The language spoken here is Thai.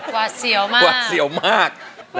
กัว่าเสี่ยวมาก